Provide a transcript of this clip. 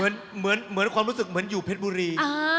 เหมือนความรู้สึกเหมือนอยู่เพชรบุรี